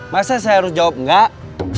masa saya harus jawab enggak